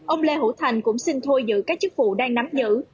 ông lê hữu thành cũng xin thôi giữ các chức vụ đang nắm giữ